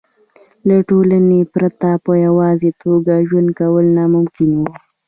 له ټولنې پرته په یوازې توګه ژوند کول ناممکن وو.